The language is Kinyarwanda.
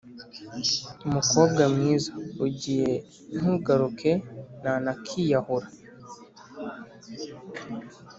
Mukobwa mwiza ugiye ntugaruke na nakiyahura